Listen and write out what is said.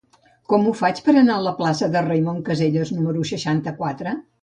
Com ho faig per anar a la plaça de Raimon Casellas número seixanta-quatre?